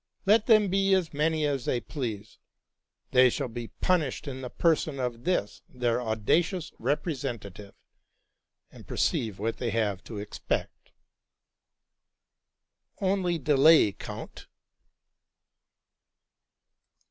Let them be as many as they please, they shall be punished in the person of this their audacious representative, and perceive what they have to expect.'' '¢ Only delay, count.